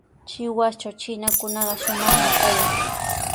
Sihuastraw chiinakunaqa shumaqmi kayan.